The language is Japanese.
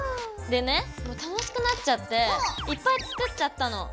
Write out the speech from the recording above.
でね楽しくなっちゃっていっぱい作っちゃったの。